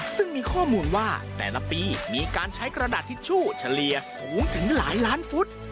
ซึ่งมีข้อมูลว่าแต่ละปีมีการใช้กระดาษทิชชู่เฉลี่ยสูงถึงหลายล้านฟุต